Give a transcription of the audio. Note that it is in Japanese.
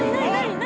何？